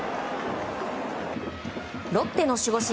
ロッテの守護神